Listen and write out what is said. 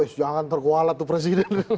eh jangan terkualat tuh presiden